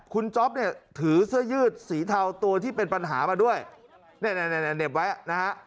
คุณจ๊อปเนี่ยถือเสื้อยืดสีเทาตัวที่เป็นปัญหามาด้วยเนี่ยเหน็บไว้นะฮะ